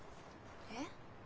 えっ？